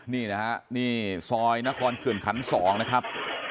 นี่นะฮะนี่ซอยนครเขื่อนขัน๒นะครับ